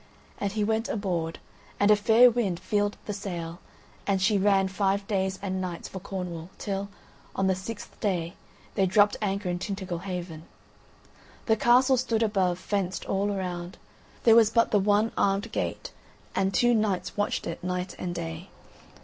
And he went aboard, and a fair wind filled the sail, and she ran five days and nights for Cornwall, till, on the sixth day, they dropped anchor in Tintagel Haven. The castle stood above, fenced all around. There was but the one armed gate, and two knights watched it night and day.